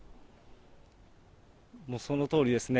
もうそのとおりですね。